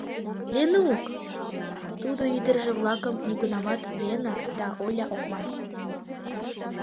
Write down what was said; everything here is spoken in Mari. — Ленук! — тудо ӱдыржӧ-влакым нигунамат Лена да Оля ок ман.